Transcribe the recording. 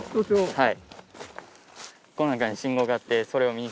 はい。